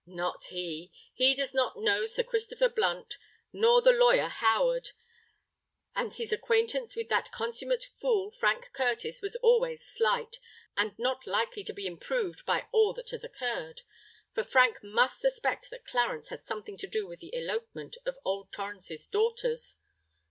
"Not he! He does not know Sir Christopher Blunt—nor the lawyer Howard; and his acquaintance with that consummate fool Frank Curtis was always slight, and not likely to be improved by all that has occurred: for Frank must suspect that Clarence had something to do with the elopement of Old Torrens's daughters.